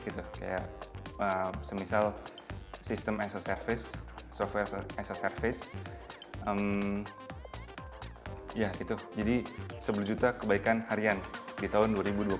seperti sistem as a service software as a service jadi sepuluh juta kebaikan harian di tahun dua ribu dua puluh